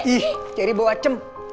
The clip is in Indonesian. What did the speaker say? ih cari bawa cem